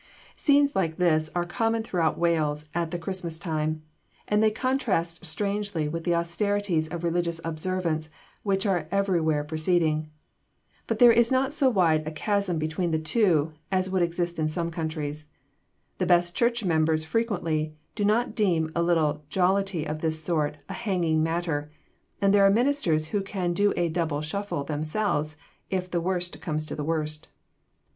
Scenes like this are common throughout Wales at the Christmas time; and they contrast strangely with the austerities of religious observance which are everywhere proceeding. But there is not so wide a chasm between the two as would exist in some countries. The best church members frequently do not deem a little jollity of this sort a hanging matter, and there are ministers who can do a double shuffle themselves if the worst comes to the worst.